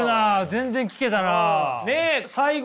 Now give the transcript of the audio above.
全然聞けたな。